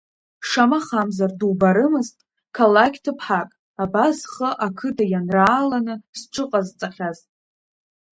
Шамахамзар, дубарымызт қалақь ҭыԥҳак, абас зхы ақыҭа ианрааланы зҽыҟазҵахьаз.